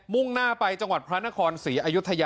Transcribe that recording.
มุ่งหน้าไปจังหวัดพระอาณาครศรีอายุทยาครับ